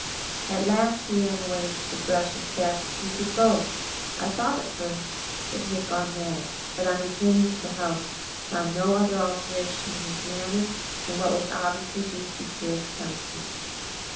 At last he ran away into the brush as fast as he could go. I thought at first that he had gone mad, but on returning to the house found no other alteration in his manner than what was obviously due to fear of punishment.